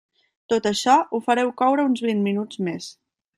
Tot això ho fareu coure uns vint minuts més.